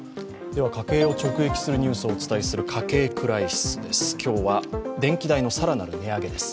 では家計を直撃するニュースをお伝えする「家計クライシス」です。